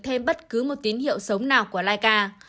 thêm bất cứ một tín hiệu sống nào của laika